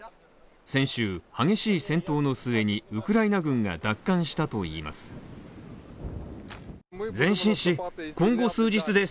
先週、激しい戦闘の末にウクライナ軍が奪還したといいます。